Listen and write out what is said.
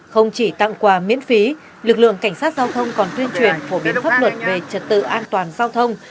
không chỉ tặng quà miễn phí lực lượng cảnh sát giao thông còn tuyên truyền phổ biến pháp luật về trật tự an toàn giao thông